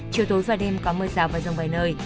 chiều tối và đêm có mưa rào và rông vài nơi